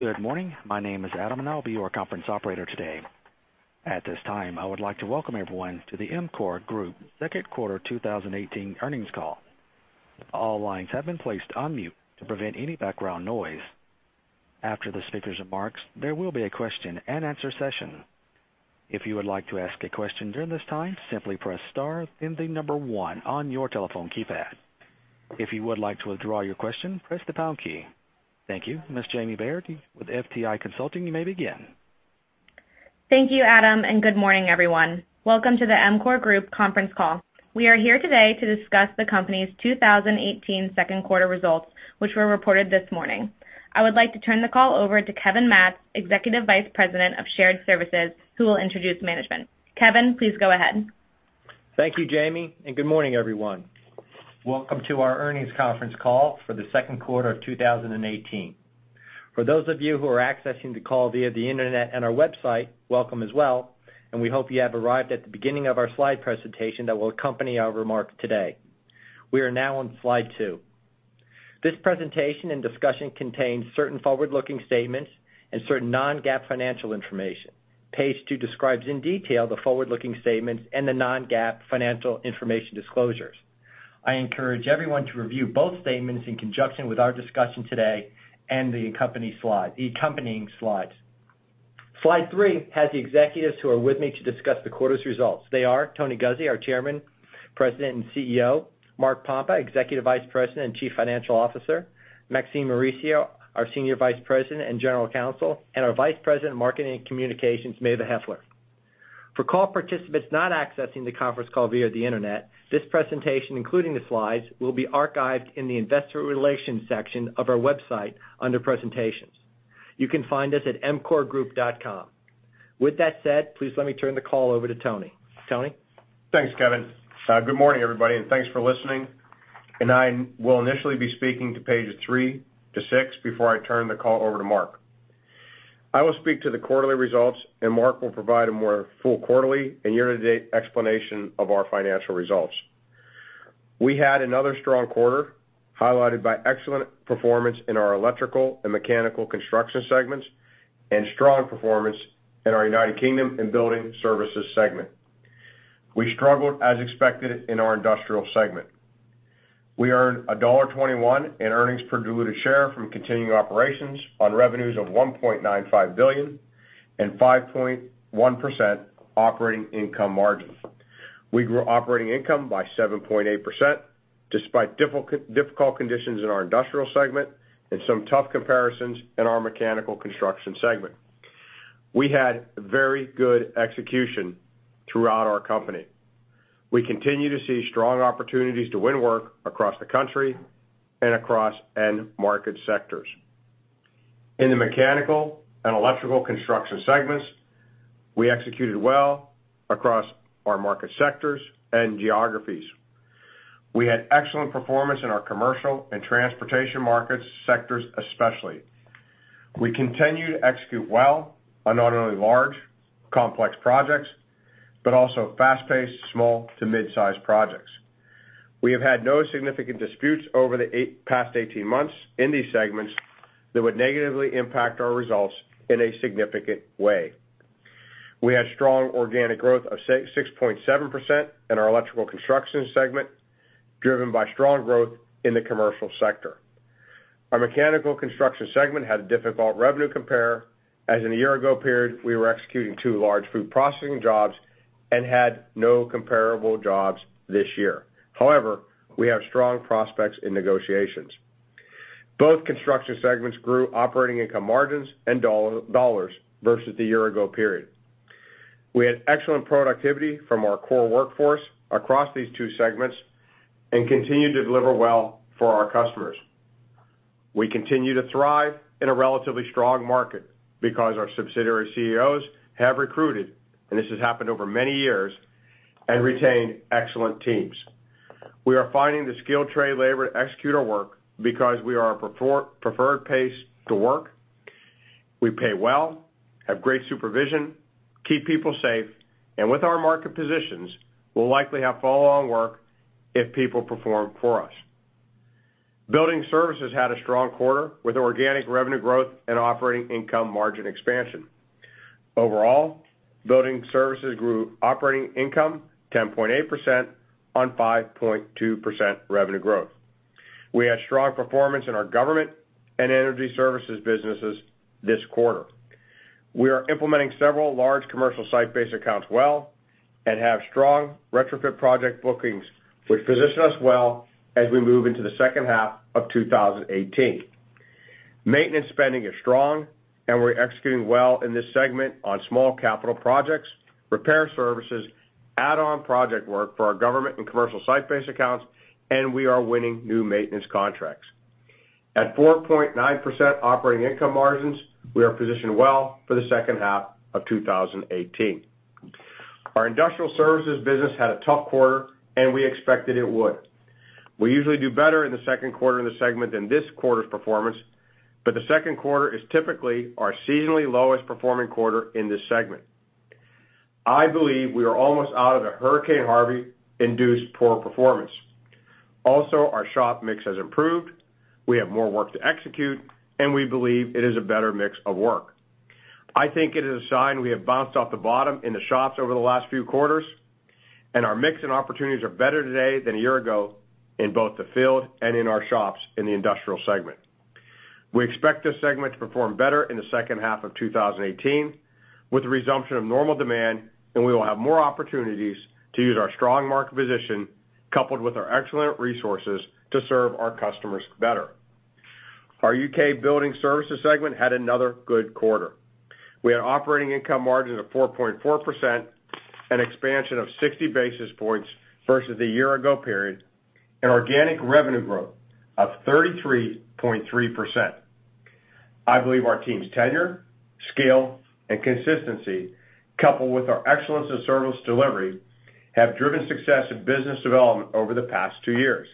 Good morning. My name is Adam, and I'll be your conference operator today. At this time, I would like to welcome everyone to the EMCOR Group second quarter 2018 earnings call. All lines have been placed on mute to prevent any background noise. After the speaker's remarks, there will be a question and answer session. If you would like to ask a question during this time, simply press star, then the number 1 on your telephone keypad. If you would like to withdraw your question, press the pound key. Thank you. Ms. Jamie Baird with FTI Consulting, you may begin. Thank you, Adam, and good morning, everyone. Welcome to the EMCOR Group conference call. We are here today to discuss the company's 2018 second quarter results, which were reported this morning. I would like to turn the call over to Kevin Matz, Executive Vice President of Shared Services, who will introduce management. Kevin, please go ahead. Thank you, Jamie, and good morning, everyone. Welcome to our earnings conference call for the second quarter of 2018. For those of you who are accessing the call via the internet and our website, welcome as well, and we hope you have arrived at the beginning of our slide presentation that will accompany our remarks today. We are now on slide two. This presentation and discussion contains certain forward-looking statements and certain non-GAAP financial information. Page two describes in detail the forward-looking statements and the non-GAAP financial information disclosures. I encourage everyone to review both statements in conjunction with our discussion today and the accompanying slides. Slide three has the executives who are with me to discuss the quarter's results. They are Tony Guzzi, our Chairman, President, and CEO, Mark Pompa, Executive Vice President and Chief Financial Officer, Maxine Mauricio, our Senior Vice President and General Counsel, and our Vice President of Marketing and Communications, Maeva Heffler. For call participants not accessing the conference call via the internet, this presentation, including the slides, will be archived in the investor relations section of our website under presentations. You can find us at emcorgroup.com. With that said, please let me turn the call over to Tony. Tony? Thanks, Kevin. Good morning, everybody, and thanks for listening. I will initially be speaking to pages three to six before I turn the call over to Mark. I will speak to the quarterly results, and Mark will provide a more full quarterly and year-to-date explanation of our financial results. We had another strong quarter, highlighted by excellent performance in our Electrical and Mechanical Construction segments and strong performance in our U.K. Building Services segment. We struggled as expected in our Industrial segment. We earned $1.21 in earnings per diluted share from continuing operations on revenues of $1.95 billion and 5.1% operating income margin. We grew operating income by 7.8%, despite difficult conditions in our Industrial segment and some tough comparisons in our Mechanical Construction segment. We had very good execution throughout our company. We continue to see strong opportunities to win work across the country and across end market sectors. In the Mechanical and Electrical Construction segments, we executed well across our market sectors and geographies. We had excellent performance in our commercial and transportation market sectors, especially. We continue to execute well on not only large, complex projects, but also fast-paced small to mid-size projects. We have had no significant disputes over the past 18 months in these segments that would negatively impact our results in a significant way. We had strong organic growth of 6.7% in our Electrical Construction segment, driven by strong growth in the commercial sector. Our Mechanical Construction segment had a difficult revenue compare, as in the year ago period, we were executing two large food processing jobs and had no comparable jobs this year. However, we have strong prospects in negotiations. Both construction segments grew operating income margins and $ versus the year ago period. We had excellent productivity from our core workforce across these two segments and continue to deliver well for our customers. We continue to thrive in a relatively strong market because our subsidiary CEOs have recruited, and this has happened over many years, and retained excellent teams. We are finding the skilled trade labor to execute our work because we are a preferred place to work. We pay well, have great supervision, keep people safe, and with our market positions, we'll likely have follow-on work if people perform for us. Building Services had a strong quarter with organic revenue growth and operating income margin expansion. Overall, Building Services grew operating income 10.8% on 5.2% revenue growth. We had strong performance in our government and energy services businesses this quarter. We are implementing several large commercial site-based accounts well and have strong retrofit project bookings, which position us well as we move into the second half of 2018. Maintenance spending is strong, and we're executing well in this segment on small capital projects, repair services, add-on project work for our government and commercial site-based accounts, and we are winning new maintenance contracts. At 4.9% operating income margins, we are positioned well for the second half of 2018. Our Industrial Services business had a tough quarter, and we expected it would. We usually do better in the second quarter in the segment than this quarter's performance, but the second quarter is typically our seasonally lowest performing quarter in this segment. I believe we are almost out of the Hurricane Harvey induced poor performance. Also, our shop mix has improved. We have more work to execute, we believe it is a better mix of work. I think it is a sign we have bounced off the bottom in the shops over the last few quarters, our mix and opportunities are better today than a year ago in both the field and in our shops in the industrial segment. We expect this segment to perform better in the second half of 2018 with the resumption of normal demand, we will have more opportunities to use our strong market position, coupled with our excellent resources, to serve our customers better. Our U.K. Building Services segment had another good quarter. We had operating income margin of 4.4%, an expansion of 60 basis points versus the year ago period, organic revenue growth of 33.3%. I believe our team's tenure, scale, and consistency, coupled with our excellence in service delivery, have driven success in business development over the past two years,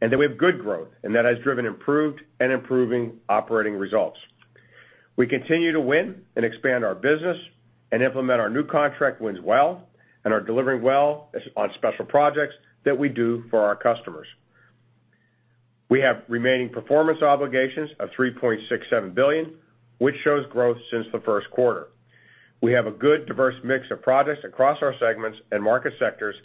that we have good growth, that has driven improved and improving operating results. We continue to win and expand our business and implement our new contract wins well and are delivering well on special projects that we do for our customers. We have Remaining Performance Obligations of $3.67 billion, which shows growth since the first quarter. We have a good, diverse mix of products across our segments and market sectors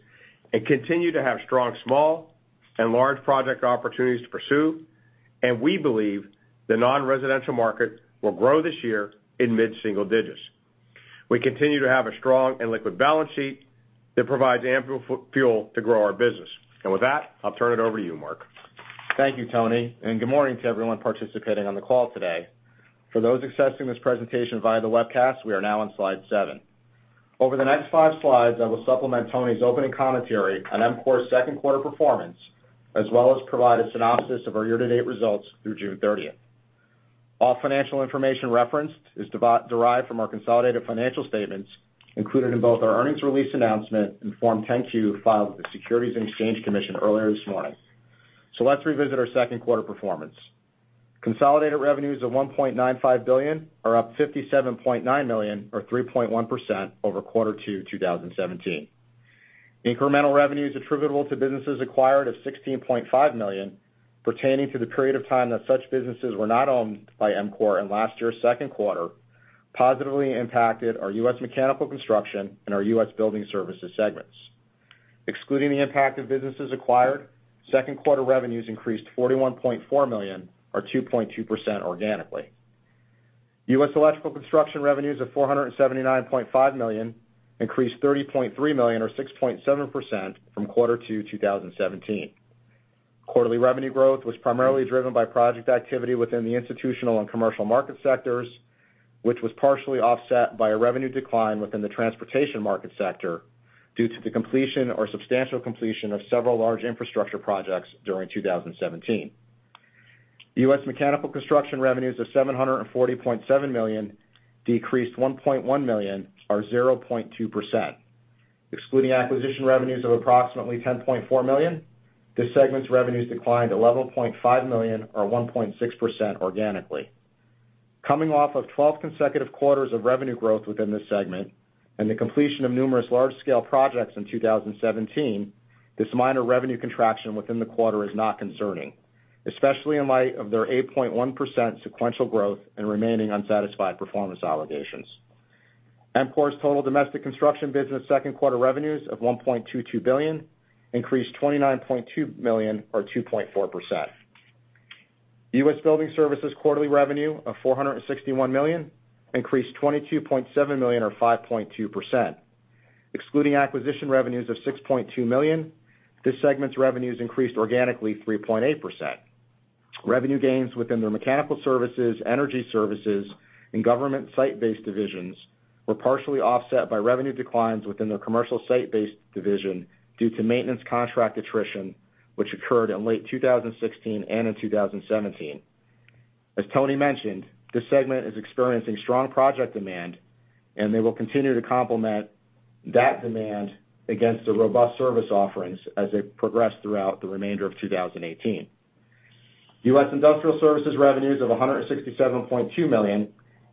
and continue to have strong small and large project opportunities to pursue, we believe the non-residential market will grow this year in mid-single digits. We continue to have a strong and liquid balance sheet that provides ample fuel to grow our business. With that, I'll turn it over to you, Mark. Thank you, Tony, good morning to everyone participating on the call today. For those accessing this presentation via the webcast, we are now on slide seven. Over the next five slides, I will supplement Tony's opening commentary on EMCOR's second quarter performance, as well as provide a synopsis of our year-to-date results through June 30th. All financial information referenced is derived from our consolidated financial statements included in both our earnings release announcement and Form 10-Q filed with the Securities and Exchange Commission earlier this morning. Let's revisit our second quarter performance. Consolidated revenues of $1.95 billion are up $57.9 million or 3.1% over quarter two 2017. Incremental revenues attributable to businesses acquired of $16.5 million pertaining to the period of time that such businesses were not owned by EMCOR in last year's second quarter positively impacted our U.S. Mechanical Construction and our U.S. Building Services segments. Excluding the impact of businesses acquired, second quarter revenues increased $41.4 million or 2.2% organically. U.S. Electrical Construction revenues of $479.5 million increased $30.3 million or 6.7% from quarter two 2017. Quarterly revenue growth was primarily driven by project activity within the institutional and commercial market sectors, which was partially offset by a revenue decline within the transportation market sector due to the completion or substantial completion of several large infrastructure projects during 2017. U.S. Mechanical Construction revenues of $740.7 million decreased $1.1 million or 0.2%. Excluding acquisition revenues of approximately $10.4 million, this segment's revenues declined $11.5 million or 1.6% organically. Coming off of 12 consecutive quarters of revenue growth within this segment and the completion of numerous large-scale projects in 2017, this minor revenue contraction within the quarter is not concerning, especially in light of their 8.1% sequential growth and Remaining Performance Obligations. EMCOR's total domestic construction business second quarter revenues of $1.22 billion increased $29.2 million or 2.4%. U.S. Building Services quarterly revenue of $461 million increased $22.7 million or 5.2%. Excluding acquisition revenues of $6.2 million, this segment's revenues increased organically 3.8%. Revenue gains within their mechanical services, energy services, and government site-based divisions were partially offset by revenue declines within their commercial site-based division due to maintenance contract attrition, which occurred in late 2016 and in 2017. As Tony mentioned, this segment is experiencing strong project demand, and they will continue to complement that demand against the robust service offerings as they progress throughout the remainder of 2018. U.S. Industrial Services revenues of $167.2 million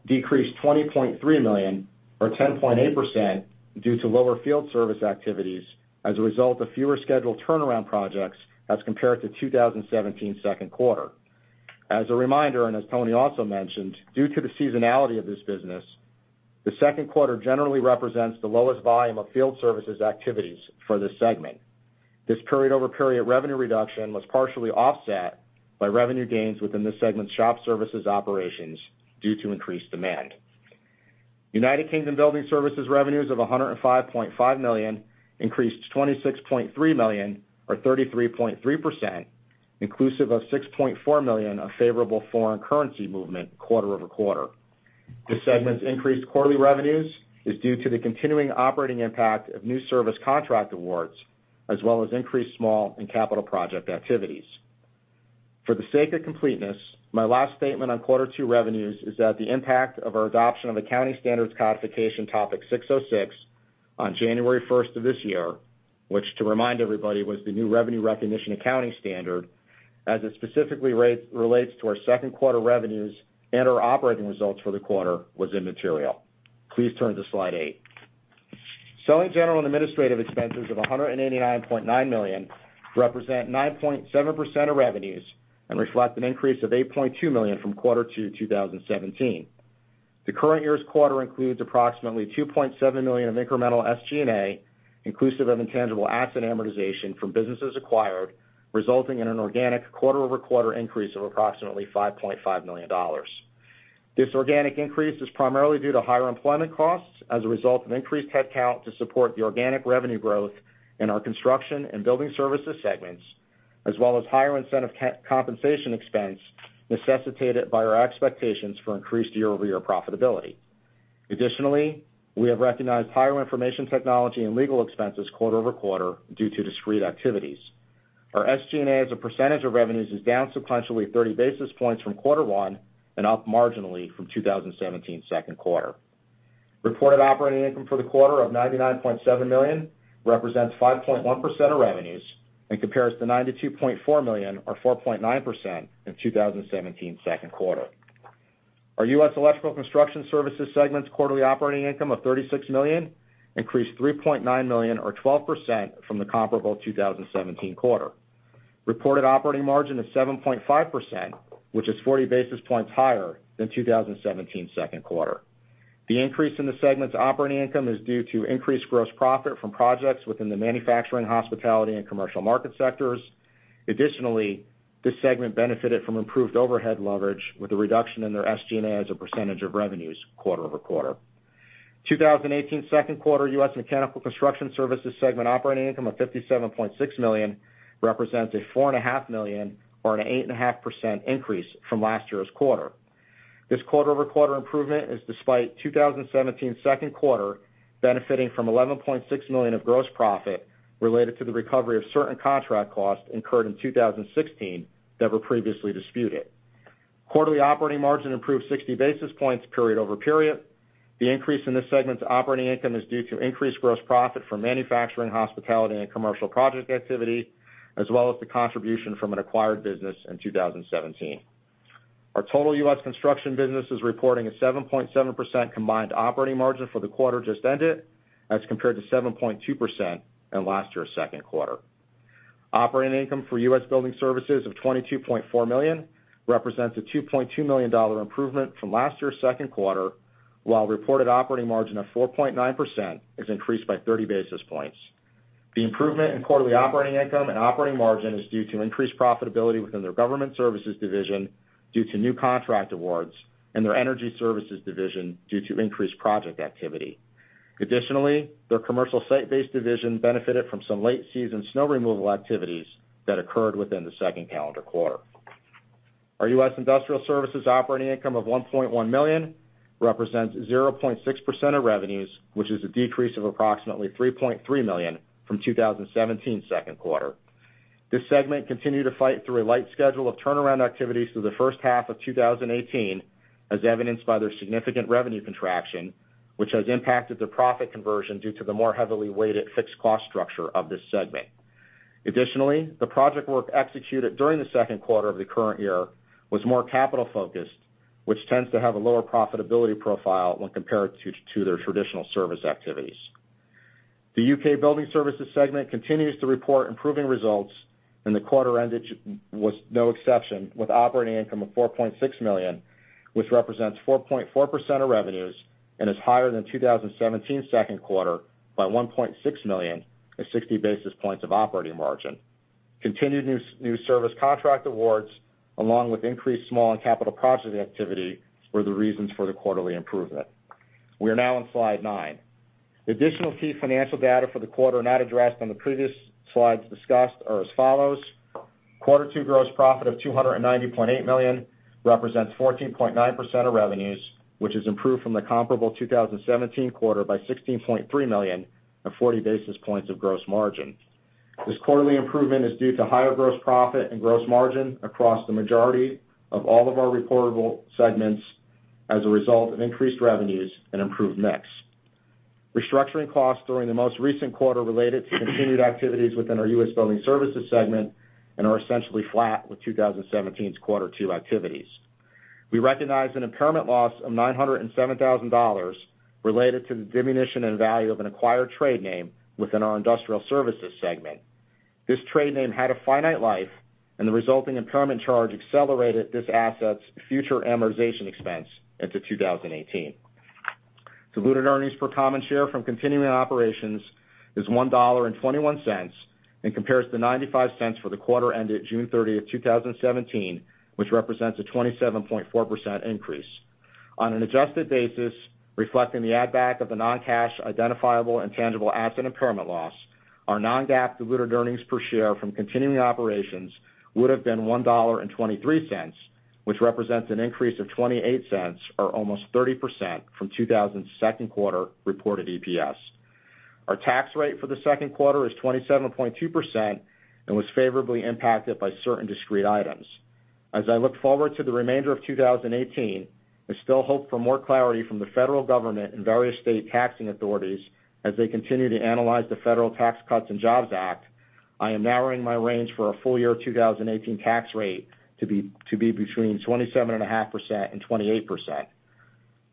decreased $20.3 million or 10.8% due to lower field service activities as a result of fewer scheduled turnaround projects as compared to 2017's second quarter. As a reminder, as Tony also mentioned, due to the seasonality of this business, the second quarter generally represents the lowest volume of field services activities for this segment. This period-over-period revenue reduction was partially offset by revenue gains within this segment's shop services operations due to increased demand. United Kingdom Building Services revenues of $105.5 million increased $26.3 million or 33.3%, inclusive of $6.4 million of favorable foreign currency movement quarter-over-quarter. This segment's increased quarterly revenues is due to the continuing operating impact of new service contract awards, as well as increased small and capital project activities. For the sake of completeness, my last statement on quarter two revenues is that the impact of our adoption of Accounting Standards Codification Topic 606 on January 1st of this year, which to remind everybody, was the new revenue recognition accounting standard, as it specifically relates to our second quarter revenues and our operating results for the quarter, was immaterial. Please turn to slide eight. Selling, General, and Administrative expenses of $189.9 million represent 9.7% of revenues and reflect an increase of $8.2 million from quarter two 2017. The current year's quarter includes approximately $2.7 million of incremental SG&A, inclusive of intangible asset amortization from businesses acquired, resulting in an organic quarter-over-quarter increase of approximately $5.5 million. This organic increase is primarily due to higher employment costs as a result of increased headcount to support the organic revenue growth in our construction and building services segments, as well as higher incentive compensation expense necessitated by our expectations for increased year-over-year profitability. Additionally, we have recognized higher information technology and legal expenses quarter-over-quarter due to discrete activities. Our SG&A as a percentage of revenues is down sequentially 30 basis points from quarter one and up marginally from 2017's second quarter. Reported operating income for the quarter of $99.7 million represents 5.1% of revenues and compares to $92.4 million or 4.9% in 2017's second quarter. Our U.S. Electrical Construction Services segment's quarterly operating income of $36 million increased $3.9 million or 12% from the comparable 2017 quarter. Reported operating margin is 7.5%, which is 40 basis points higher than 2017's second quarter. The increase in the segment's operating income is due to increased gross profit from projects within the manufacturing, hospitality, and commercial market sectors. Additionally, this segment benefited from improved overhead leverage with a reduction in their SG&A as a percentage of revenues quarter-over-quarter. 2018's second quarter U.S. Mechanical Construction Services segment operating income of $57.6 million represents a $4.5 million or an 8.5% increase from last year's quarter. This quarter-over-quarter improvement is despite 2017's second quarter benefiting from $11.6 million of gross profit related to the recovery of certain contract costs incurred in 2016 that were previously disputed. Quarterly operating margin improved 60 basis points period-over-period. The increase in this segment's operating income is due to increased gross profit from manufacturing, hospitality, and commercial project activity, as well as the contribution from an acquired business in 2017. Our total U.S. construction business is reporting a 7.7% combined operating margin for the quarter just ended as compared to 7.2% in last year's second quarter. Operating income for U.S. Building Services of $22.4 million represents a $2.2 million improvement from last year's second quarter, while reported operating margin of 4.9% is increased by 30 basis points. The improvement in quarterly operating income and operating margin is due to increased profitability within their government services division due to new contract awards and their energy services division due to increased project activity. Additionally, their commercial site-based division benefited from some late season snow removal activities that occurred within the second calendar quarter. Our U.S. Industrial Services operating income of $1.1 million represents 0.6% of revenues, which is a decrease of approximately $3.3 million from 2017's second quarter. This segment continued to fight through a light schedule of turnaround activities through the first half of 2018, as evidenced by their significant revenue contraction, which has impacted their profit conversion due to the more heavily weighted fixed cost structure of this segment. Additionally, the project work executed during the second quarter of the current year was more capital focused, which tends to have a lower profitability profile when compared to their traditional service activities. The U.K. Building Services segment continues to report improving results, and the quarter ended was no exception, with operating income of 4.6 million, which represents 4.4% of revenues and is higher than 2017's second quarter by 1.6 million at 60 basis points of operating margin. Continued new service contract awards, along with increased small and capital project activity, were the reasons for the quarterly improvement. We are now on slide nine. The additional key financial data for the quarter not addressed on the previous slides discussed are as follows. Quarter two gross profit of $290.8 million represents 14.9% of revenues, which has improved from the comparable 2017 quarter by $16.3 million and 40 basis points of gross margin. This quarterly improvement is due to higher gross profit and gross margin across the majority of all of our reportable segments as a result of increased revenues and improved mix. Restructuring costs during the most recent quarter related to continued activities within our U.S. Building Services segment and are essentially flat with 2017's quarter two activities. We recognized an impairment loss of $907,000 related to the diminution in value of an acquired trade name within our Industrial Services segment. This trade name had a finite life, and the resulting impairment charge accelerated this asset's future amortization expense into 2018. Diluted earnings per common share from continuing operations is $1.21 and compares to $0.95 for the quarter ended June 30, 2017, which represents a 27.4% increase. On an adjusted basis, reflecting the add back of the non-cash identifiable intangible asset impairment loss, our non-GAAP diluted earnings per share from continuing operations would've been $1.23, which represents an increase of $0.28 or almost 30% from 2017's second quarter reported EPS. Our tax rate for the second quarter is 27.2% and was favorably impacted by certain discrete items. As I look forward to the remainder of 2018, I still hope for more clarity from the federal government and various state taxing authorities as they continue to analyze the Tax Cuts and Jobs Act. I am narrowing my range for a full year 2018 tax rate to be between 27.5% and 28%.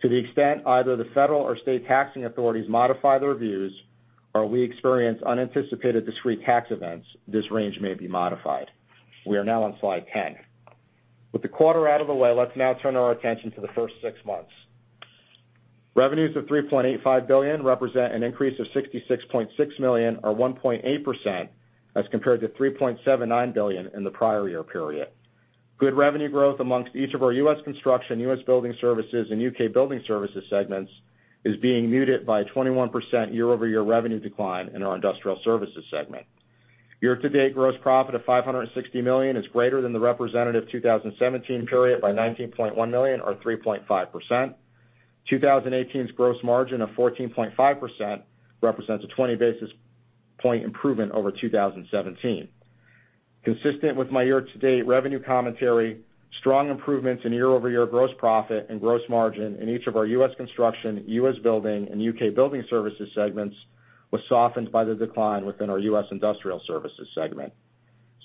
To the extent either the federal or state taxing authorities modify the reviews or we experience unanticipated discrete tax events, this range may be modified. We are now on slide 10. With the quarter out of the way, let's now turn our attention to the first six months. Revenues of $3.85 billion represent an increase of $66.6 million or 1.8% as compared to $3.79 billion in the prior year period. Good revenue growth amongst each of our U.S. construction, U.S. Building Services, and U.K. Building Services segments is being muted by a 21% year-over-year revenue decline in our Industrial Services segment. Year-to-date gross profit of $560 million is greater than the representative 2017 period by $19.1 million or 3.5%. 2018's gross margin of 14.5% represents a 20 basis point improvement over 2017. Consistent with my year-to-date revenue commentary, strong improvements in year-over-year gross profit and gross margin in each of our U.S. construction, U.S. Building, and U.K. Building Services segments was softened by the decline within our U.S. Industrial Services segment.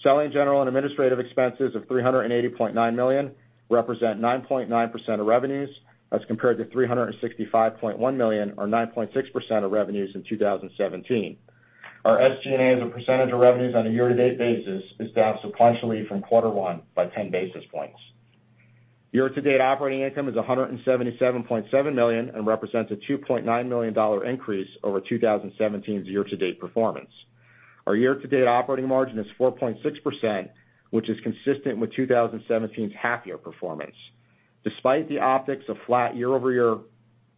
Selling, General and Administrative expenses of $380.9 million represent 9.9% of revenues, as compared to $365.1 million or 9.6% of revenues in 2017. Our SG&A as a percentage of revenues on a year-to-date basis is down sequentially from quarter one by ten basis points. Year-to-date operating income is $177.7 million and represents a $2.9 million increase over 2017's year-to-date performance. Our year-to-date operating margin is 4.6%, which is consistent with 2017's half-year performance. Despite the optics of flat year-over-year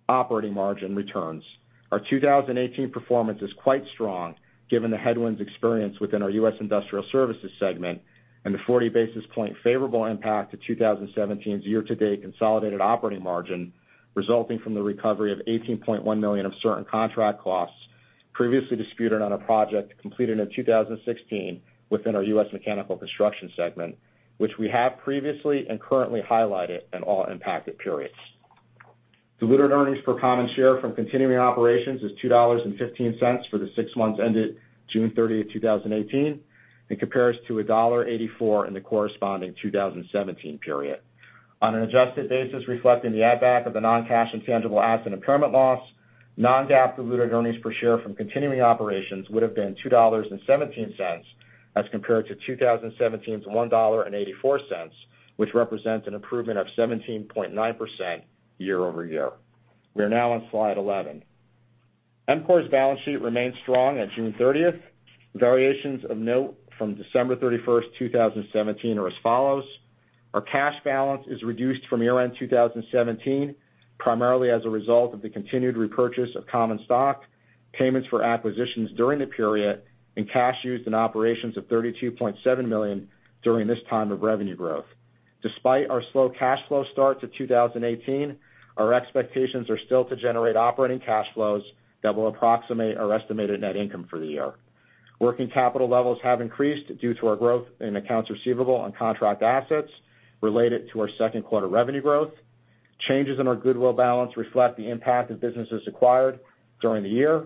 operating margin returns, our 2018 performance is quite strong given the headwinds experienced within our U.S. industrial services segment and the 40 basis point favorable impact to 2017's year-to-date consolidated operating margin resulting from the recovery of $18.1 million of certain contract costs previously disputed on a project completed in 2016 within our U.S. mechanical construction segment, which we have previously and currently highlighted in all impacted periods. Diluted earnings per common share from continuing operations is $2.15 for the six months ended June 30, 2018, and compares to $1.84 in the corresponding 2017 period. On an adjusted basis reflecting the add back of the non-GAAP intangible asset impairment loss, non-GAAP diluted earnings per share from continuing operations would have been $2.17 as compared to 2017's $1.84, which represents an improvement of 17.9% year-over-year. We are now on slide 11. EMCOR's balance sheet remains strong at June 30th. Variations of note from December 31st, 2017 are as follows. Our cash balance is reduced from year-end 2017, primarily as a result of the continued repurchase of common stock, payments for acquisitions during the period, and cash used in operations of $32.7 million during this time of revenue growth. Despite our slow cash flow start to 2018, our expectations are still to generate operating cash flows that will approximate our estimated net income for the year. Working capital levels have increased due to our growth in accounts receivable and contract assets related to our second quarter revenue growth. Changes in our goodwill balance reflect the impact of businesses acquired during the year.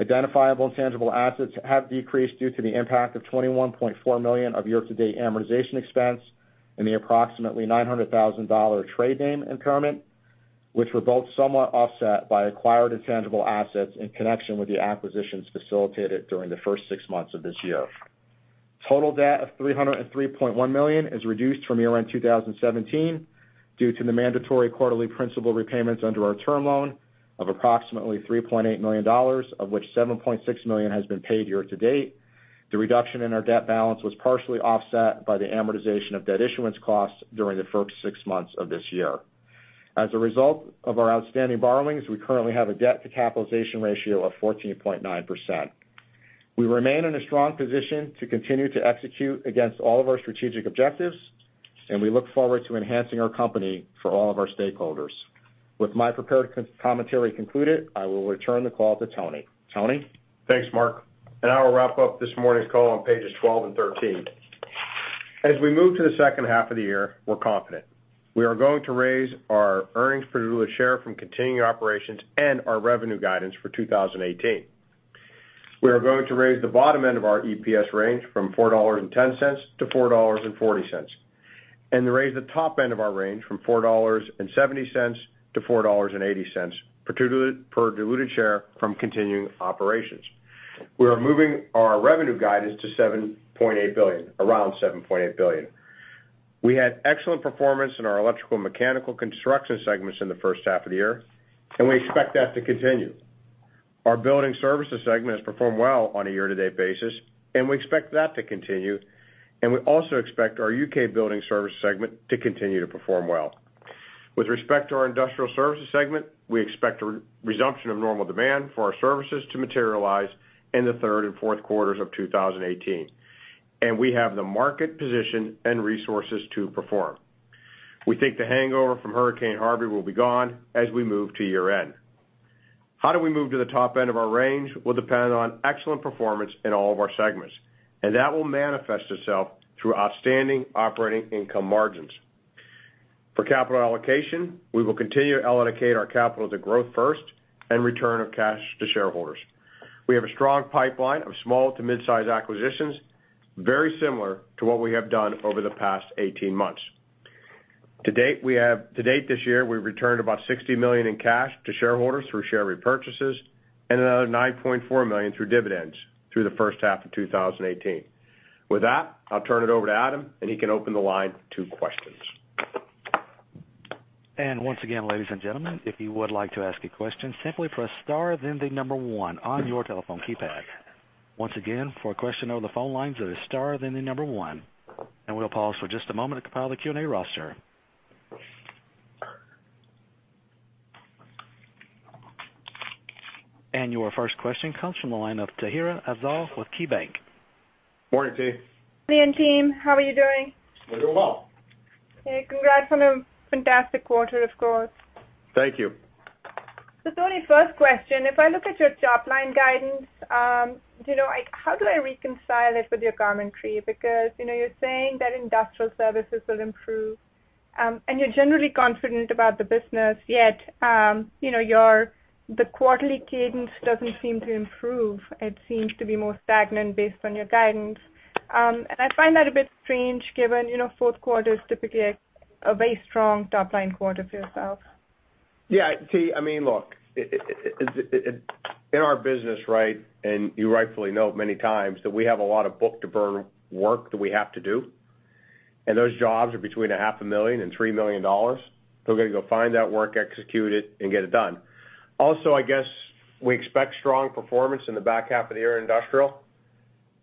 Identifiable intangible assets have decreased due to the impact of $21.4 million of year-to-date amortization expense and the approximately $900,000 trade name impairment, which were both somewhat offset by acquired intangible assets in connection with the acquisitions facilitated during the first six months of this year. Total debt of $303.1 million is reduced from year-end 2017 due to the mandatory quarterly principal repayments under our term loan of approximately $3.8 million, of which $7.6 million has been paid year-to-date. The reduction in our debt balance was partially offset by the amortization of debt issuance costs during the first six months of this year. As a result of our outstanding borrowings, we currently have a debt to capitalization ratio of 14.9%. We remain in a strong position to continue to execute against all of our strategic objectives, and we look forward to enhancing our company for all of our stakeholders. With my prepared commentary concluded, I will return the call to Tony. Tony? Thanks, Mark. I will wrap up this morning's call on pages 12 and 13. As we move to the second half of the year, we're confident. We are going to raise our earnings per diluted share from continuing operations and our revenue guidance for 2018. We are going to raise the bottom end of our EPS range from $4.10-$4.40 and raise the top end of our range from $4.70-$4.80 per diluted share from continuing operations. We are moving our revenue guidance to $7.8 billion, around $7.8 billion. We had excellent performance in our electrical and mechanical construction segments in the first half of the year, and we expect that to continue. Our building services segment has performed well on a year-to-date basis, and we expect that to continue, and we also expect our U.K. building services segment to continue to perform well. With respect to our industrial services segment, we expect a resumption of normal demand for our services to materialize in the third and fourth quarters of 2018. We have the market position and resources to perform. We think the hangover from Hurricane Harvey will be gone as we move to year-end. How do we move to the top end of our range will depend on excellent performance in all of our segments, and that will manifest itself through outstanding operating income margins. For capital allocation, we will continue to allocate our capital to growth first and return of cash to shareholders. We have a strong pipeline of small to mid-size acquisitions, very similar to what we have done over the past 18 months. To date this year, we've returned about $60 million in cash to shareholders through share repurchases, and another $9.4 million through dividends through the first half of 2018. With that, I'll turn it over to Adam, he can open the line to questions. Once again, ladies and gentlemen, if you would like to ask a question, simply press star then the number 1 on your telephone keypad. Once again, for a question over the phone lines, it is star then the number 1. We'll pause for just a moment to compile the Q&A roster. Your first question comes from the line of Tahira Afzal with KeyBanc. Morning, T. T and team, how are you doing? We're doing well. Okay. Congrats on a fantastic quarter, of course. Thank you. Tony, first question, if I look at your top-line guidance, how do I reconcile it with your commentary? You're saying that industrial services will improve, and you're generally confident about the business, yet the quarterly cadence doesn't seem to improve. It seems to be more stagnant based on your guidance. I find that a bit strange given fourth quarter is typically a very strong top-line quarter for yourself. Yeah. Look, in our business, you rightfully note many times that we have a lot of book-to-burn work that we have to do, and those jobs are between a half a million and $3 million. We've got to go find that work, execute it, and get it done. I guess we expect strong performance in the back half of the year in industrial.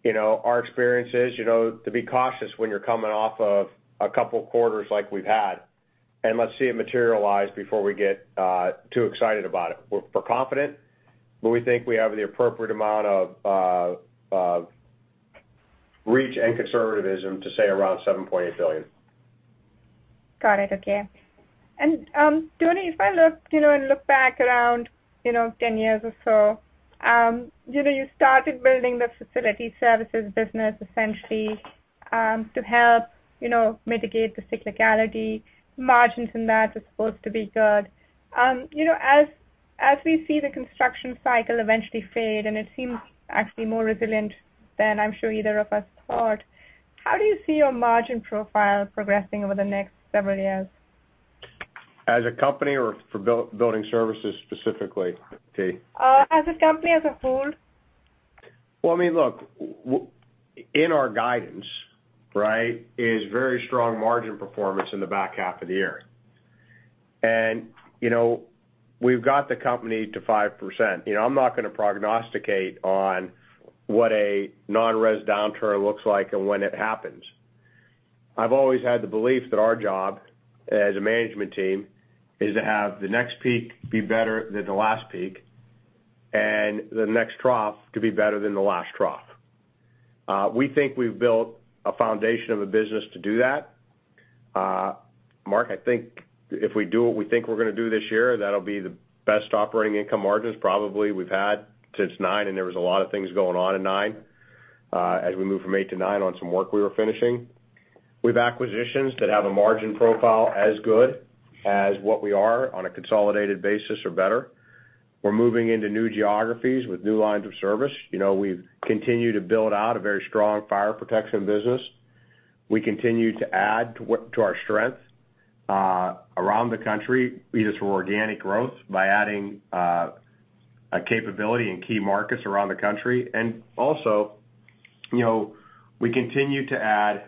Our experience is to be cautious when you're coming off of a couple of quarters like we've had, let's see it materialize before we get too excited about it. We're confident, we think we have the appropriate amount of reach and conservatism to say around $7.8 billion. Got it. Okay. Tony, if I look back around 10 years or so, you started building the facility services business essentially, to help mitigate the cyclicality. Margins in that are supposed to be good. As we see the construction cycle eventually fade, it seems actually more resilient than I'm sure either of us thought, how do you see your margin profile progressing over the next several years? As a company or for building services specifically, T? As a company as a whole. Well, look, in our guidance is very strong margin performance in the back half of the year. We've got the company to 5%. I'm not going to prognosticate on what a non-res downturn looks like and when it happens. I've always had the belief that our job as a management team is to have the next peak be better than the last peak, and the next trough to be better than the last trough. We think we've built a foundation of a business to do that. Mark, I think if we do what we think we're going to do this year, that'll be the best operating income margins probably we've had since 2009, and there was a lot of things going on in 2009 as we moved from 2008 to 2009 on some work we were finishing. We have acquisitions that have a margin profile as good as what we are on a consolidated basis or better. We're moving into new geographies with new lines of service. We've continued to build out a very strong fire protection business. We continue to add to our strength around the country, be this for organic growth by adding capability in key markets around the country. Also, we continue to add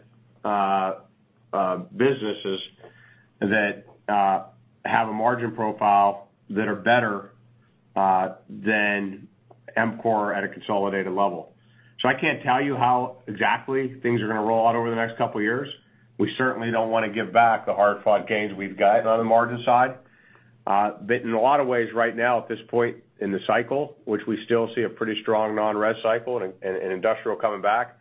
businesses that have a margin profile that are better than EMCOR at a consolidated level. I can't tell you how exactly things are going to roll out over the next couple of years. We certainly don't want to give back the hard-fought gains we've gotten on the margin side. In a lot of ways right now at this point in the cycle, which we still see a pretty strong non-res cycle and industrial coming back,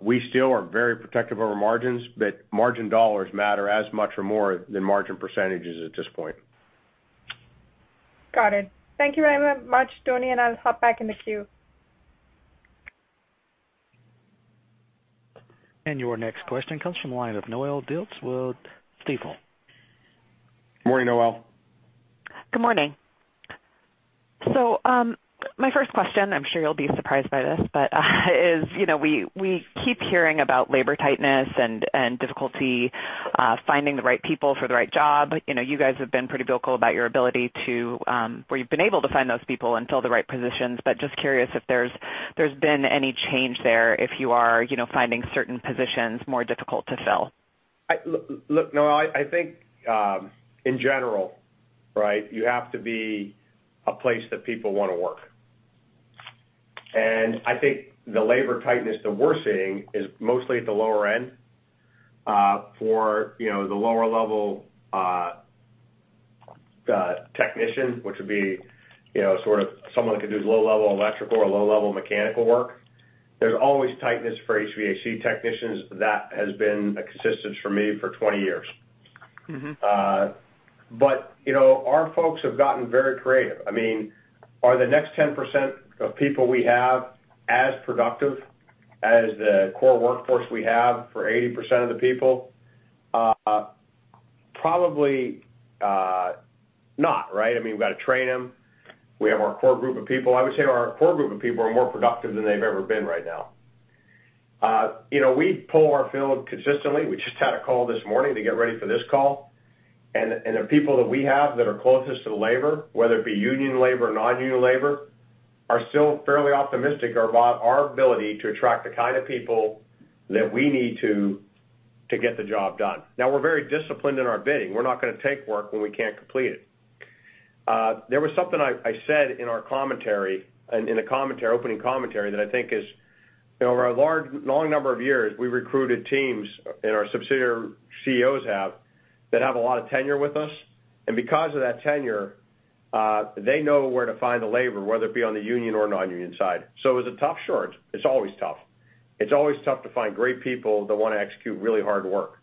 we still are very protective over margins, but margin dollars matter as much or more than margin percentages at this point. Got it. Thank you very much, Tony, and I'll hop back in the queue. Your next question comes from the line of Noelle Dilts with Stifel. Morning, Noelle. Good morning. My first question, I'm sure you'll be surprised by this, but is we keep hearing about labor tightness and difficulty finding the right people for the right job. You guys have been pretty vocal about your ability to where you've been able to find those people and fill the right positions, just curious if there's been any change there, if you are finding certain positions more difficult to fill. Look, Noelle, I think, in general you have to be a place that people want to work. I think the labor tightness that we're seeing is mostly at the lower end, for the lower level technician, which would be sort of someone who could do low-level electrical or low-level mechanical work. There's always tightness for HVAC technicians. That has been a consistent for me for 20 years. Our folks have gotten very creative. Are the next 10% of people we have as productive as the core workforce we have for 80% of the people? Probably not. We've got to train them. We have our core group of people. I would say our core group of people are more productive than they've ever been right now. We poll our field consistently. We just had a call this morning to get ready for this call, the people that we have that are closest to the labor, whether it be union labor or non-union labor, are still fairly optimistic about our ability to attract the kind of people that we need to get the job done. We're very disciplined in our bidding. We're not going to take work when we can't complete it. There was something I said in our opening commentary that I think is, over a long number of years, we recruited teams, and our subsidiary CEOs have, that have a lot of tenure with us. Because of that tenure, they know where to find the labor, whether it be on the union or non-union side. It is a tough shortage. It's always tough. It's always tough to find great people that want to execute really hard work.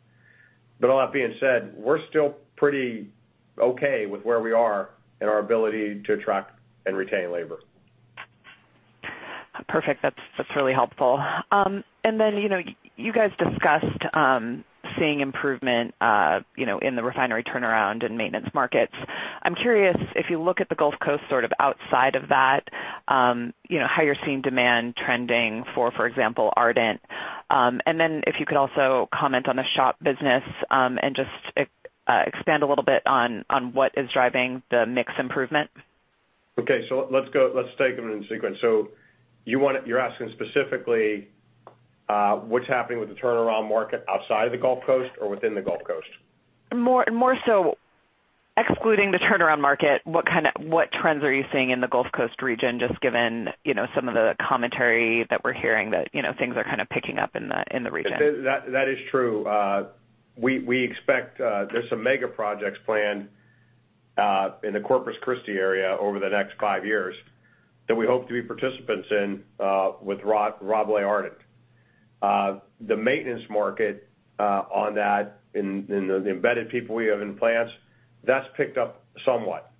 All that being said, we're still pretty okay with where we are in our ability to attract and retain labor. Perfect. That's really helpful. You guys discussed seeing improvement in the refinery turnaround and maintenance markets. I'm curious if you look at the Gulf Coast outside of that, how you're seeing demand trending for example, Ardent. If you could also comment on the shop business, and just expand a little bit on what is driving the mix improvement. Okay. Let's take them in sequence. You're asking specifically what's happening with the turnaround market outside of the Gulf Coast or within the Gulf Coast? More so excluding the turnaround market, what trends are you seeing in the Gulf Coast region, just given some of the commentary that we're hearing that things are kind of picking up in the region? That is true. There's some mega projects planned in the Corpus Christi area over the next 5 years that we hope to be participants in with Repcon Ardent. The maintenance market on that and the embedded people we have in plants, that's picked up somewhat.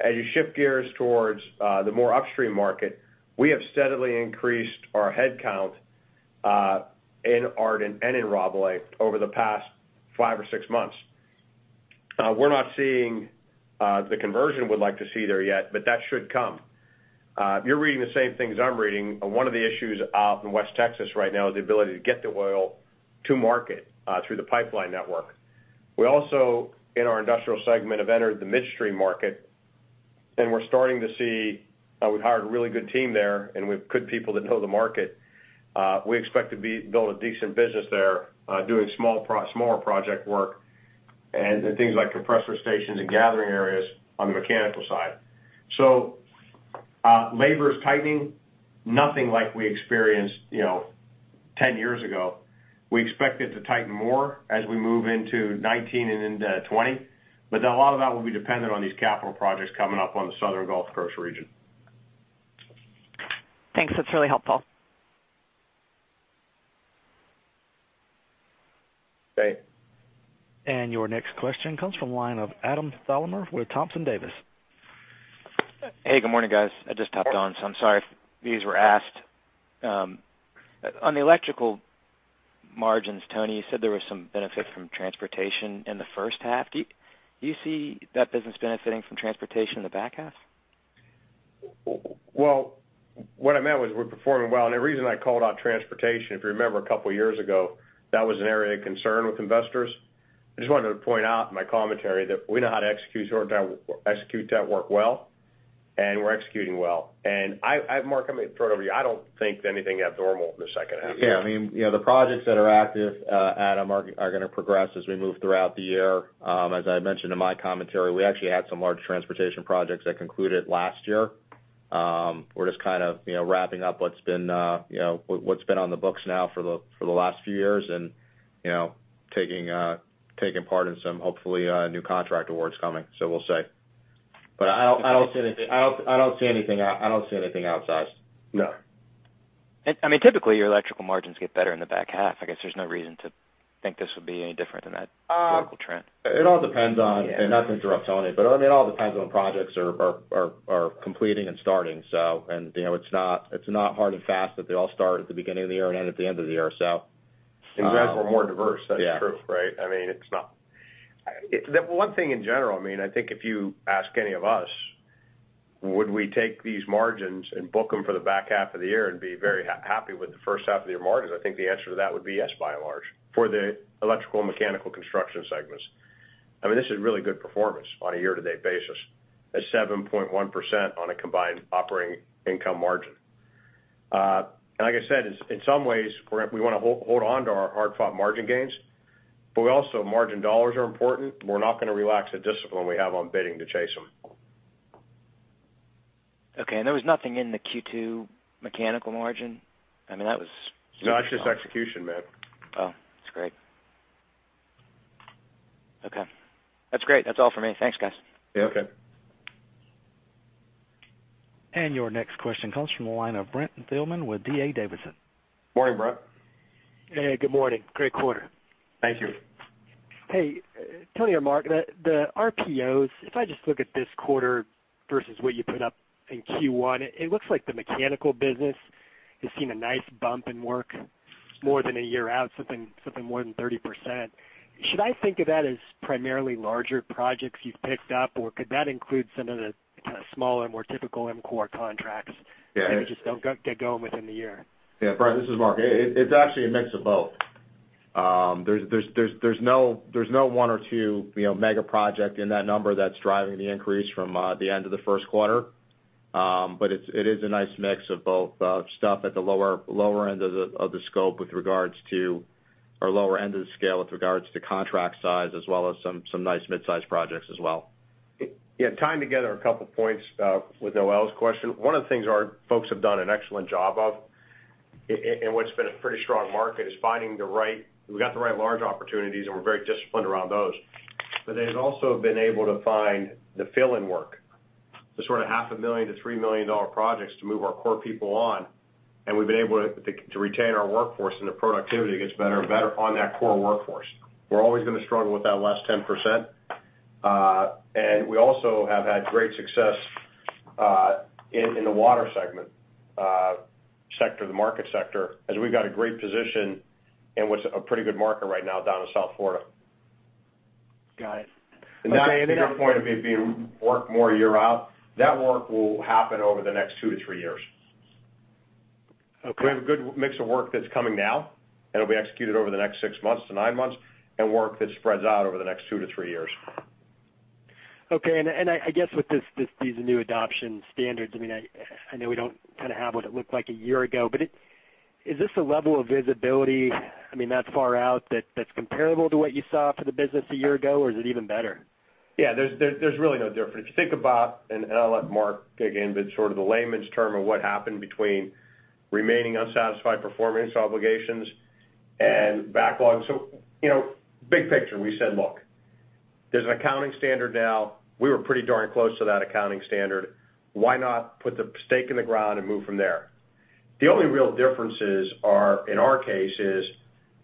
As you shift gears towards the more upstream market, we have steadily increased our headcount in Ardent and in Repcon over the past 5 or 6 months. We're not seeing the conversion we'd like to see there yet, but that should come. If you're reading the same thing as I'm reading, one of the issues out in West Texas right now is the ability to get the oil to market through the pipeline network. We also, in our industrial segment, have entered the midstream market. We hired a really good team there and we have good people that know the market. We expect to build a decent business there doing smaller project work and things like compressor stations and gathering areas on the mechanical side. Labor is tightening. Nothing like we experienced 10 years ago. We expect it to tighten more as we move into 2019 and into 2020, but a lot of that will be dependent on these capital projects coming up on the southern Gulf Coast region. Thanks. That's really helpful. Great. Your next question comes from the line of Adam Thalhimer with Thompson Davis. Hey, good morning, guys. I just hopped on, so I'm sorry if these were asked. On the electrical margins, Tony, you said there was some benefit from transportation in the first half. Do you see that business benefiting from transportation in the back half? Well, what I meant was we're performing well and the reason I called out transportation, if you remember a couple of years ago, that was an area of concern with investors. I just wanted to point out in my commentary that we know how to execute that work well and we're executing well. Mark, I'm going to throw it over to you. I don't think anything abnormal in the second half. Yeah. The projects that are active, Adam, are going to progress as we move throughout the year. As I mentioned in my commentary, we actually had some large transportation projects that concluded last year. We're just kind of wrapping up what's been on the books now for the last few years and taking part in some, hopefully, new contract awards coming. We'll see. I don't see anything outsized. No. Typically, your electrical margins get better in the back half. I guess there's no reason to think this would be any different than that historical trend. It all depends on, and not to interrupt Tony, but it all depends on projects are completing and starting. It's not hard and fast that they all start at the beginning of the year and end at the end of the year. Granted we're more diverse. That's true, right? Yeah. One thing in general, I think if you ask any of us, would we take these margins and book them for the back half of the year and be very happy with the first half of the year margins? I think the answer to that would be yes, by and large, for the electrical and mechanical construction segments. This is really good performance on a year-to-date basis at 7.1% on a combined operating income margin. Like I said, in some ways, we want to hold onto our hard-fought margin gains, but also margin dollars are important. We're not going to relax the discipline we have on bidding to chase them. Okay. There was nothing in the Q2 mechanical margin? No, it's just execution, man. Oh, that's great. That's great. That's all for me. Thanks, guys. Yeah, okay. Your next question comes from the line of Brent Thielman with D.A. Davidson. Morning, Brent. Hey, good morning. Great quarter. Thank you. Hey, Tony or Mark, the RPOs, if I just look at this quarter versus what you put up in Q1, it looks like the mechanical business has seen a nice bump in work more than a year out, something more than 30%. Should I think of that as primarily larger projects you've picked up, or could that include some of the kind of smaller, more typical EMCOR contracts? Yeah. -that just don't get going within the year? Yeah, Brent, this is Mark. It's actually a mix of both. There's no one or two mega project in that number that's driving the increase from the end of the first quarter. It is a nice mix of both stuff at the lower end of the scope with regards to or lower end of the scale with regards to contract size, as well as some nice mid-size projects as well. Yeah, tying together a couple points with Noelle's question. One of the things our folks have done an excellent job of, what's been a pretty strong market, is finding the right We got the right large opportunities, we're very disciplined around those. They've also been able to find the fill-in work, the sort of half a million to $3 million projects to move our core people on. We've been able to retain our workforce, and the productivity gets better and better on that core workforce. We're always going to struggle with that last 10%. We also have had great success in the water segment, sector, the market sector, as we've got a great position in what's a pretty good market right now down in South Florida. Got it. To your point of it being work more year out, that work will happen over the next two to three years. Okay. We have a good mix of work that's coming now, that'll be executed over the next six months to nine months, and work that spreads out over the next two to three years. Okay. I guess with these new adoption standards, I know we don't kind of have what it looked like a year ago, but is this a level of visibility, that far out, that's comparable to what you saw for the business a year ago, or is it even better? Yeah, there's really no difference. If you think about, I'll let Mark dig in, but sort of the layman's term of what happened between remaining unsatisfied performance obligations and backlog. Big picture, we said, "Look, there's an accounting standard now. We were pretty darn close to that accounting standard. Why not put the stake in the ground and move from there?" The only real differences are, in our case, is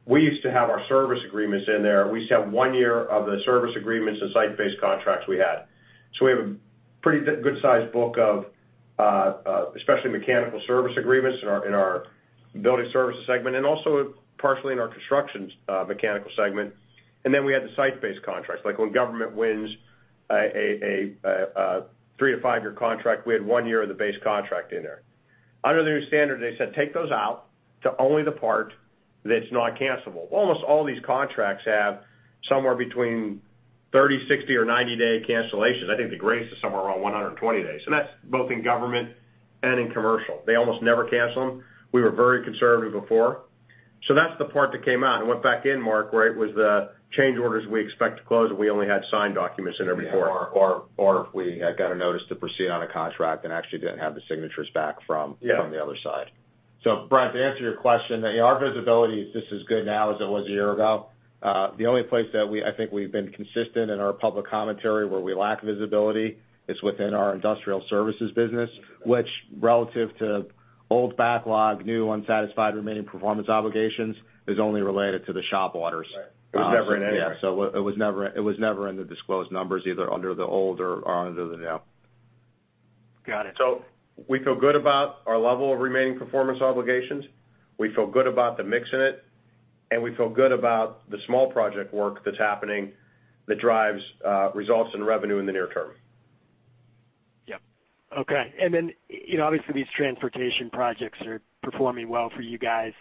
we used to have our service agreements in there. We used to have one year of the service agreements and site-based contracts we had. We have a pretty good size book of especially mechanical service agreements in our building services segment, and also partially in our construction mechanical segment. Then we had the site-based contracts, like when government wins a three to five year contract, we had one year of the base contract in there. Under the new standard, they said, "Take those out to only the part that's not cancelable." Almost all these contracts have somewhere between 30, 60, or 90-day cancellations. I think the greatest is somewhere around 120 days. That's both in government and in commercial. They almost never cancel them. We were very conservative before. That's the part that came out and went back in, Mark, where it was the change orders we expect to close, and we only had signed documents in there before. If we got a notice to proceed on a contract and actually didn't have the signatures back. Yeah. The other side. Brent, to answer your question, our visibility is just as good now as it was a year ago. The only place that I think we've been consistent in our public commentary where we lack visibility is within our industrial services business, which relative to old backlog, new unsatisfied Remaining Performance Obligations, is only related to the shop orders. Right. It was never in anyway. It was never in the disclosed numbers, either under the old or under the now. Got it. We feel good about our level of Remaining Performance Obligations. We feel good about the mix in it, and we feel good about the small project work that's happening that drives results in revenue in the near term. Yep. Okay. Then, obviously these transportation projects are performing well for you guys.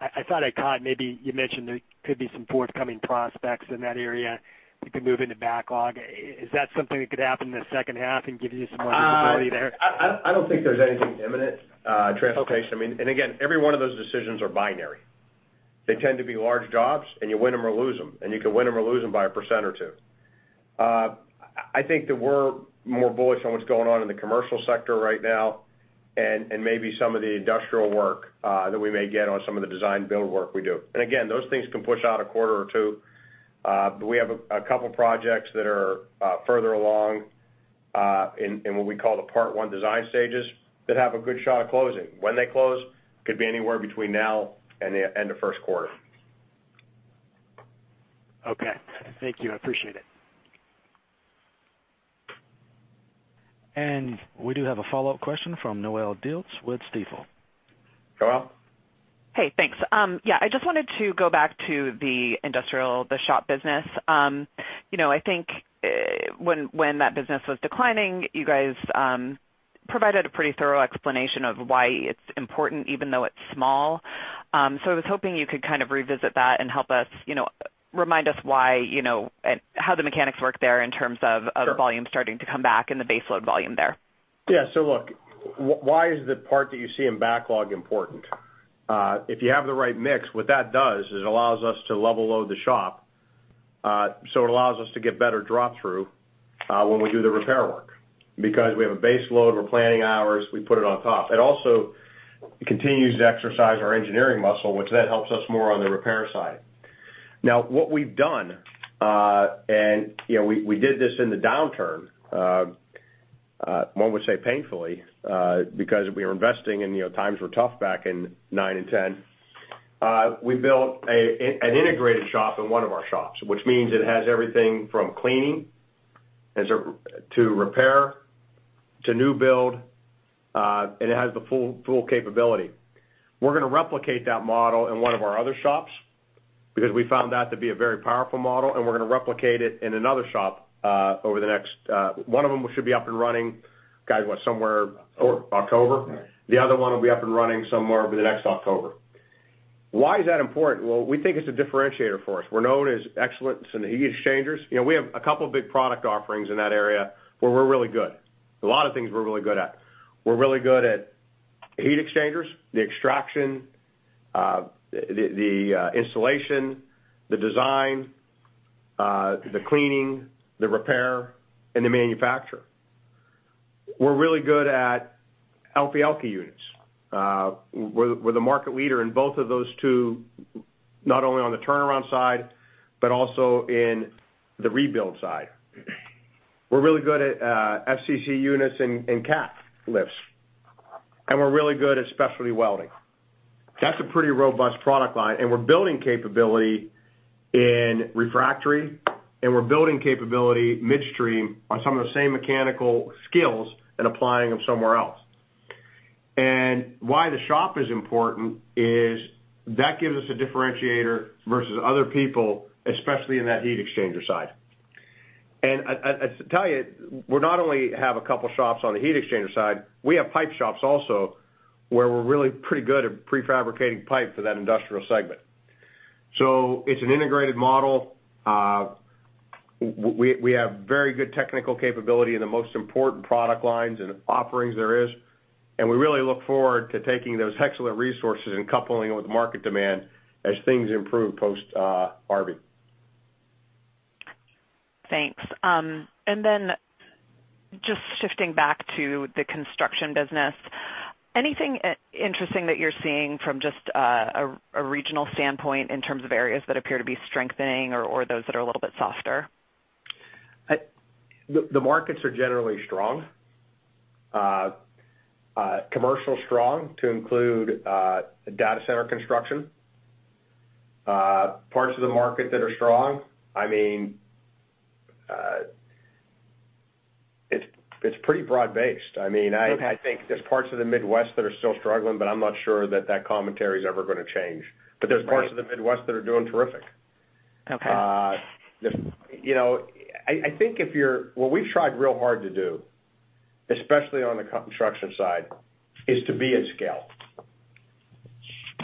I thought I caught maybe you mentioned there could be some forthcoming prospects in that area that could move into backlog. Is that something that could happen in the second half and give you some more visibility there? I don't think there's anything imminent, transportation. Okay. I mean, again, every one of those decisions are binary. They tend to be large jobs, and you win them or lose them, and you can win them or lose them by 1% or 2%. I think that we're more bullish on what's going on in the commercial sector right now and maybe some of the industrial work that we may get on some of the design-build work we do. Again, those things can push out a quarter or two. But we have a couple projects that are further along, in what we call the part 1 design stages, that have a good shot of closing. When they close, could be anywhere between now and the end of first quarter. Okay. Thank you. I appreciate it. We do have a follow-up question from Noelle Dilts with Stifel. Noelle? Hey, thanks. Yeah, I just wanted to go back to the industrial, the shop business. I think when that business was declining, you guys provided a pretty thorough explanation of why it's important even though it's small. I was hoping you could kind of revisit that and help us, remind us why, and how the mechanics work there in terms of. Sure. The volume starting to come back and the base load volume there. Yeah. Look, why is the part that you see in backlog important? If you have the right mix, what that does is it allows us to level load the shop, so it allows us to get better drop through when we do the repair work. Because we have a base load, we're planning hours, we put it on top. It also continues to exercise our engineering muscle, which that helps us more on the repair side. What we've done, and we did this in the downturn, one would say painfully, because we were investing and times were tough back in 2009 and 2010. We built an integrated shop in one of our shops, which means it has everything from cleaning to repair to new build, and it has the full capability. We're going to replicate that model in one of our other shops, because we found that to be a very powerful model, and we're going to replicate it in another shop over the next. One of them should be up and running, guys. October. October. Right. The other one will be up and running somewhere over the next October. Why is that important? Well, we think it's a differentiator for us. We're known as excellence in heat exchangers. We have a couple big product offerings in that area where we're really good. A lot of things we're really good at. We're really good at heat exchangers, the extraction, the installation, the design, the cleaning, the repair, and the manufacture. We're really good at LPEC units. We're the market leader in both of those two, not only on the turnaround side, but also in the rebuild side. We're really good at FCC units and cat crackers. We're really good at specialty welding. That's a pretty robust product line, and we're building capability in refractory, and we're building capability midstream on some of the same mechanical skills and applying them somewhere else. Why the shop is important is that gives us a differentiator versus other people, especially in that heat exchanger side. To tell you, we not only have a couple shops on the heat exchanger side, we have pipe shops also where we're really pretty good at pre-fabricating pipe for that industrial segment. It's an integrated model. We have very good technical capability in the most important product lines and offerings there is, and we really look forward to taking those excellent resources and coupling them with market demand as things improve post-Harvey. Thanks. Just shifting back to the construction business, anything interesting that you're seeing from just a regional standpoint in terms of areas that appear to be strengthening or those that are a little bit softer? The markets are generally strong. Commercial strong, to include data center construction. Parts of the market that are strong, it's pretty broad-based. I think there's parts of the Midwest that are still struggling, but I'm not sure that commentary is ever going to change. There's parts of the Midwest that are doing terrific. Okay. What we've tried real hard to do, especially on the construction side, is to be at scale.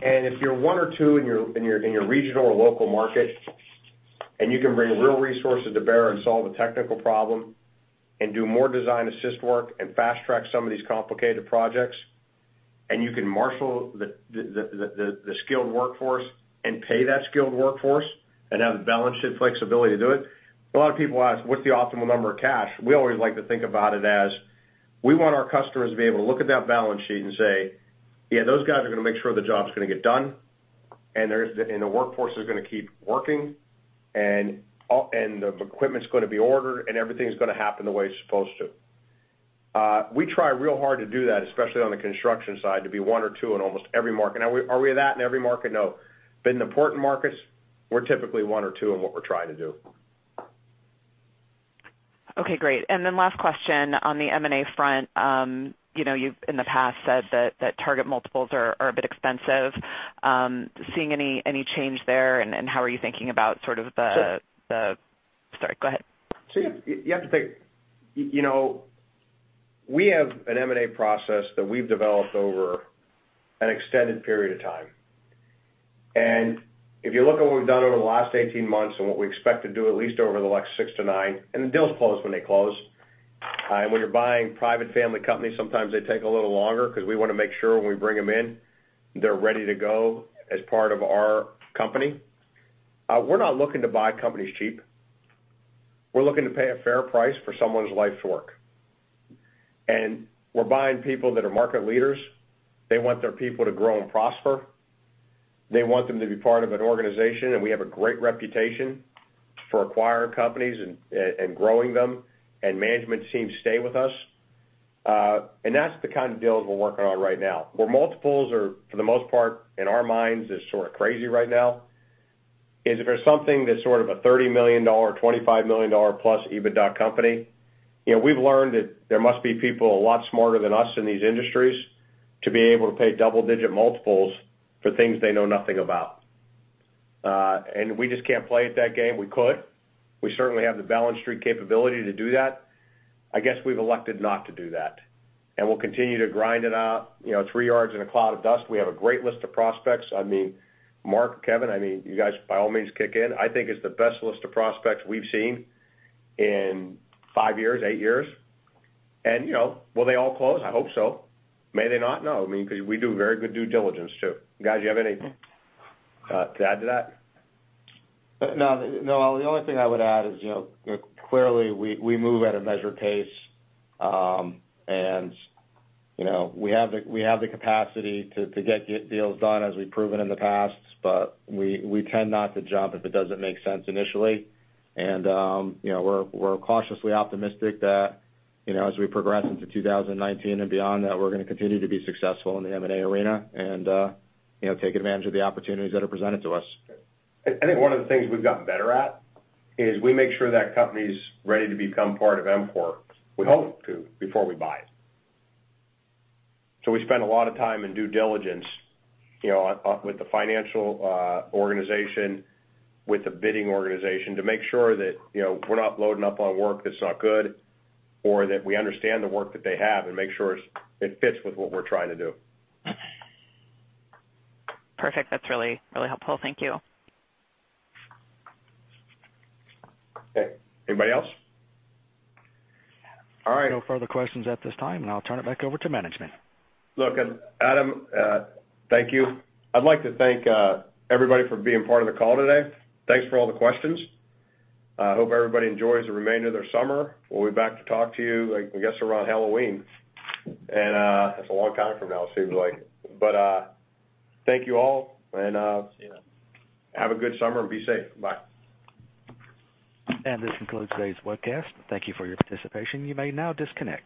If you're one or two in your regional or local market, and you can bring real resources to bear and solve a technical problem, and do more design-assist work, and fast track some of these complicated projects, and you can marshal the skilled workforce and pay that skilled workforce, and have the balance sheet flexibility to do it. A lot of people ask, "What's the optimal number of cash?" We always like to think about it as, we want our customers to be able to look at that balance sheet and say, "Yeah, those guys are going to make sure the job's going to get done, and the workforce is going to keep working, and the equipment's going to be ordered, and everything's going to happen the way it's supposed to." We try real hard to do that, especially on the construction side, to be one or two in almost every market. Are we that in every market? No. In important markets, we're typically one or two in what we're trying to do. Okay, great. Last question on the M&A front. You've in the past said that target multiples are a bit expensive. Seeing any change there, and how are you thinking about sort of the Sorry, go ahead. You have to think, we have an M&A process that we've developed over an extended period of time. If you look at what we've done over the last 18 months and what we expect to do at least over the next six to nine, the deals close when they close. When you're buying private family companies, sometimes they take a little longer because we want to make sure when we bring them in, they're ready to go as part of our company. We're not looking to buy companies cheap. We're looking to pay a fair price for someone's life's work. We're buying people that are market leaders. They want their people to grow and prosper. They want them to be part of an organization, and we have a great reputation for acquiring companies and growing them, and management teams stay with us. That's the kind of deals we're working on right now, where multiples are, for the most part, in our minds, just sort of crazy right now, is if there's something that's sort of a $30 million, $25 million-plus EBITDA company. We've learned that there must be people a lot smarter than us in these industries to be able to pay double-digit multiples for things they know nothing about. We just can't play at that game. We could. We certainly have the balance sheet capability to do that. I guess we've elected not to do that. We'll continue to grind it out, three yards in a cloud of dust. We have a great list of prospects. Mark, Kevin, you guys by all means kick in. I think it's the best list of prospects we've seen in five years, eight years. Will they all close? I hope so. May they not? No. Because we do very good due diligence, too. Guys, you have anything to add to that? No. The only thing I would add is clearly we move at a measured pace. We have the capacity to get deals done, as we've proven in the past, but we tend not to jump if it doesn't make sense initially. We're cautiously optimistic that as we progress into 2019 and beyond, that we're going to continue to be successful in the M&A arena and take advantage of the opportunities that are presented to us. I think one of the things we've gotten better at is we make sure that company's ready to become part of EMCOR, we hope to, before we buy it. We spend a lot of time in due diligence with the financial organization, with the bidding organization, to make sure that we're not loading up on work that's not good, or that we understand the work that they have and make sure it fits with what we're trying to do. Perfect. That's really helpful. Thank you. Okay. Anybody else? All right. No further questions at this time. I'll turn it back over to management. Look, Adam, thank you. I'd like to thank everybody for being part of the call today. Thanks for all the questions. I hope everybody enjoys the remainder of their summer. We'll be back to talk to you, I guess, around Halloween. That's a long time from now, it seems like. Thank you all. See you Have a good summer and be safe. Bye. This concludes today's webcast. Thank you for your participation. You may now disconnect.